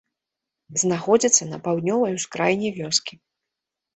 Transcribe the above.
Знаходзіцца на паўднёвай ускраіне вёскі.